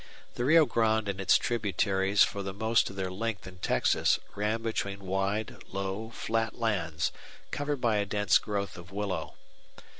The Rio Grande and its tributaries for the most of their length in Texas ran between wide, low, flat lands covered by a dense growth of willow.